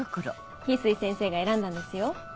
翡翠先生が選んだんですよ